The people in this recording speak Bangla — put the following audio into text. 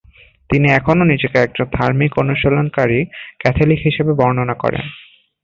তিনি এখনও নিজেকে একজন ধার্মিক অনুশীলনকারী ক্যাথলিক হিসাবে বর্ণনা করেন।